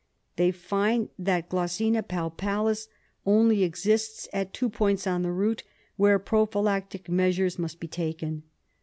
They find that G. palpalis only exists at two points on the route, where prophylactic measures must be taken.